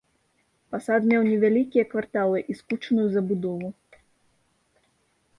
Пасад меў невялікія кварталы і скучаную забудову.